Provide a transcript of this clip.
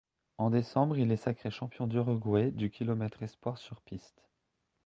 En décembre, il est sacré champion d'Uruguay du kilomètre espoirs sur piste.